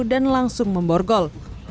dan langsung memborgol